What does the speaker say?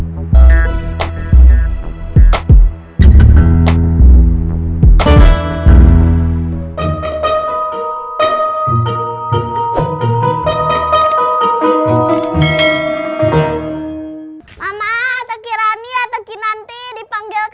mama atau kirani atau kinanti dipanggil kakek